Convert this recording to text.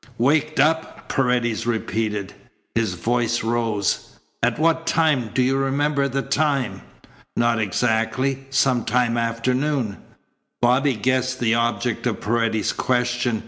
"Waked up!" Paredes repeated. His voice rose. "At what time? Do you remember the time?" "Not exactly. Sometime after noon." Bobby guessed the object of Paredes's question.